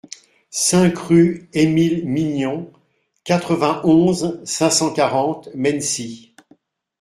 cinq rue Émile Mignon, quatre-vingt-onze, cinq cent quarante, Mennecy